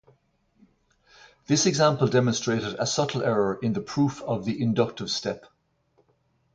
This example demonstrated a subtle error in the proof of the inductive step.